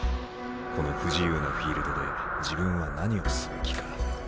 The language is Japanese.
この不自由なフィールドで自分は何をすべきか？